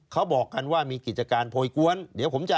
คือมีกิจการเยอะ